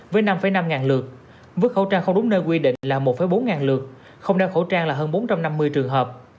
với năm năm ngàn lượt mức khẩu trang không đúng nơi quy định là một bốn lượt không đeo khẩu trang là hơn bốn trăm năm mươi trường hợp